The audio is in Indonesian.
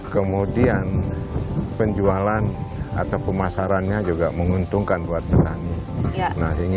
kemudian penjualan atau pemasarannya juga menguntungkan buat petani